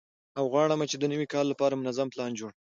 او غواړم چې د نوي کال لپاره منظم پلان جوړ